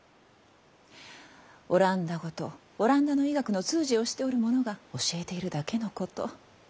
オランダ語とオランダの医学の通詞をしておるものが教えているだけのこと。